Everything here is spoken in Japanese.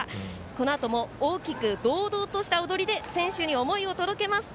このあとも大きく堂々とした踊りで選手に思いを届けます。